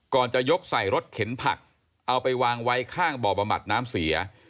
จะยกใส่รถเข็นผักเอาไปวางไว้ข้างบ่อบำบัดน้ำเสีย